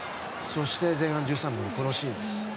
そして、前半１３分このシーンです。